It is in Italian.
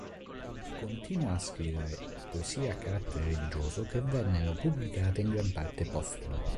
Continua a scrivere poesie a carattere religioso che vennero pubblicate in gran parte postume.